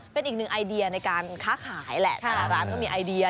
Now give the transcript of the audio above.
เป็นอีกหนึ่งไอเดียในการค้าขายแหละแต่ละร้านก็มีไอเดีย